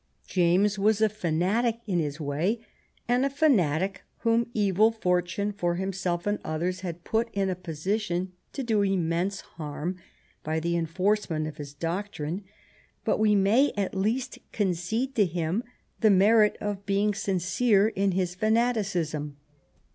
James was a fanatic in his way, and a fanatic whom evil fortune for himself and others had put in a position to do im mense harm by the enforcement of his doctrine, but we may at least concede to him the merit of having been sincere in his fanaticism.